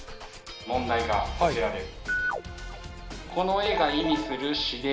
・問題がこちらです。